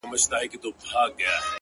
• څوک به نو څه رنګه اقبا وویني؛